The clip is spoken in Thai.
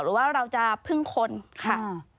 หรือว่าเราจะพึ่งคนค่ะ